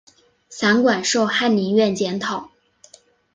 散馆授翰林院检讨。